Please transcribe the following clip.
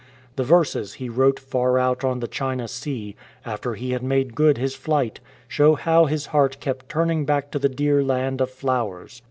The verses he wrote far out on the China Sea, after he had made good his flight, show how his heart kept turning back to the dear land of flowers.